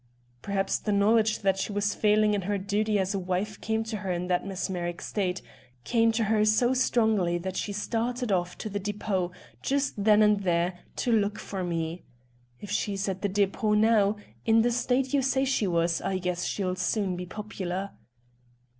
"Perhaps the knowledge that she was failing in her duty as a wife came to her in that mesmeric state; came to her so strongly that she started off to the depôt, just then and there, to look for me. If she's at the depôt now, in the state you say she was, I guess she'll soon be popular."